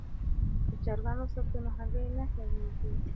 که چرګان وساتو نو هګۍ نه کمیږي.